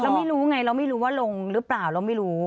ไม่รู้ไงเราไม่รู้ว่าลงหรือเปล่าเราไม่รู้